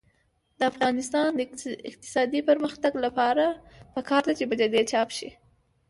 د افغانستان د اقتصادي پرمختګ لپاره پکار ده چې مجلې چاپ شي.